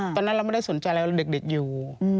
ตอนนั้นเราไม่ได้สนใจอะไรเด็กอยู่